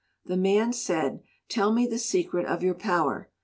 The man said, "Tell me the secret of your power."